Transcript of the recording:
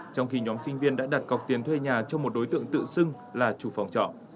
trong khi nhóm sinh viên đã đặt cọc tiền thuê nhà cho một đối tượng tự xưng là chủ phòng trọ